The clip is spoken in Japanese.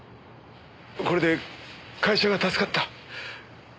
これで会社が助かった。